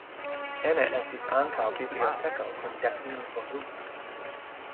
Ene estis ankaŭ biblioteko kun dek mil volumoj.